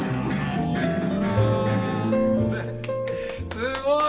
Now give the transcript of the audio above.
すごい！